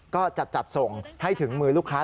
ก็จะจัดส่งให้ถึงมือลูกค้า